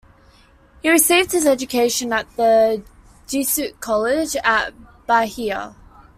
He received his education at the Jesuit college at Bahia.